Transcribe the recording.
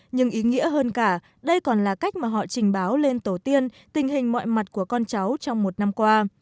nhưng ý nghĩa hơn cả đây còn là cách mà họ trình báo lên tổ tiên tình hình mọi mặt của con cháu trong một năm qua